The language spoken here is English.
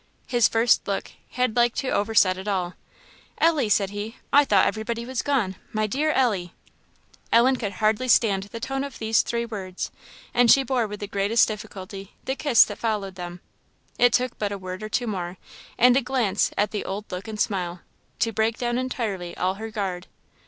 His first look had like to overset it all. "Ellie!" said he; "I thought everybody was gone. My dear Ellie!" Ellen could hardly stand the tone of these three words, and she bore with the greatest difficulty the kiss that followed them; it took but a word or two more, and a glance at the old look and smile, to break down entirely all her guard.